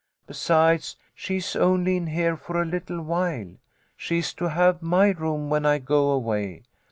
Besides, she is only in here for a little while. She is to have my room when I go away.